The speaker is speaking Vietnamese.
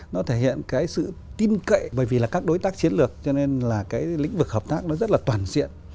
nó thể hiện cái sự tin cậy bởi vì là các đối tác chiến lược cho nên là cái lĩnh vực hợp tác nó rất là toàn diện